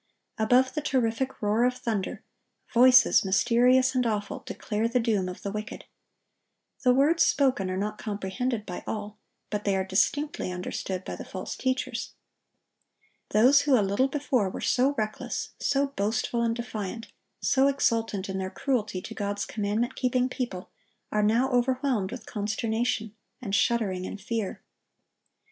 Above the terrific roar of thunder, voices, mysterious and awful, declare the doom of the wicked. The words spoken are not comprehended by all; but they are distinctly understood by the false teachers. Those who a little before were so reckless, so boastful and defiant, so exultant in their cruelty to God's commandment keeping people, are now overwhelmed with consternation, and shuddering in fear.